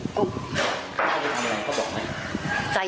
ถ้าได้ทำอะไรเขาบอกไหม